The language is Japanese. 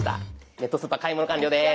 ネットスーパー買い物完了です。